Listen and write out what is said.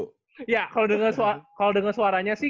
kalau denger suaranya sih